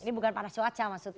ini bukan parah cuaca maksudnya